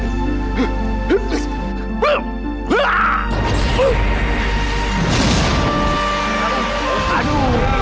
aduh apa ini